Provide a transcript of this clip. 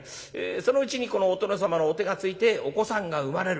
そのうちにお殿様のお手がついてお子さんが生まれる。